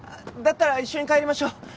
だったら一緒に帰りましょう。